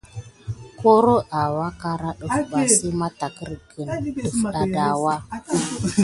Koro awa dara ɗəf ɓa si matarkirguni de defda adawa.